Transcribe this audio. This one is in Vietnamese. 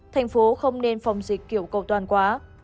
thành phố không nên phòng dịch kiểu cầu toàn quá